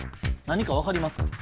何か分かりますか？